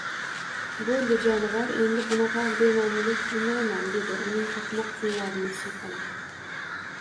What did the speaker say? Bo`ldi jonivor, endi bunaqa bema`nilik qilmayman, dedi uning paxmoq junlarini siypalab